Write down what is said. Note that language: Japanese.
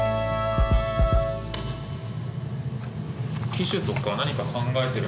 機種とか何か考えてるものって。